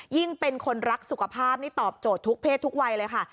ยิ่งเป็นคนรักสุขภาพนี่ตอบโจทย์ทุกเพศทุกวัยเลยค่ะ